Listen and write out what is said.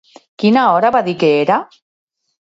Quina hora va dir que era?